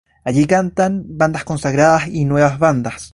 Allí cantan bandas consagradas y nuevas bandas.